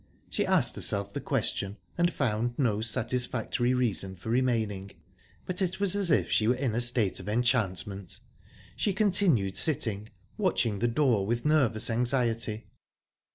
She asked herself the question, and found no satisfactory reason for remaining, but it was as if she were in a state of enchantment she continued sitting, watching the door with nervous anxiety.